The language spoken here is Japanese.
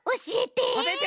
おしえて。